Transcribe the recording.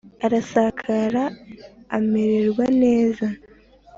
arasakara, amererwa neza.